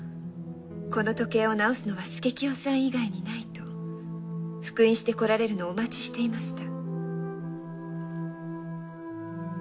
この時計を直すのは佐清さん以外にないと復員してこられるのをお待ちしていました。